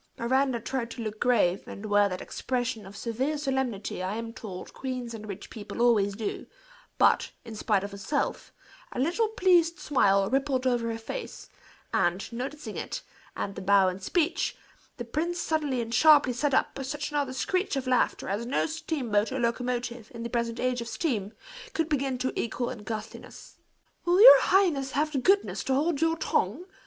Miranda tried to look grave, and wear that expression of severe solemnity I am told queens and rich people always do; but, in spite of herself, a little pleased smile rippled over her face; and, noticing it, and the bow and speech, the prince suddenly and sharply set up such another screech of laughter as no steamboat or locomotive, in the present age of steam, could begin to equal in ghastliness. "Will your highness have the goodness to hold your tongue?"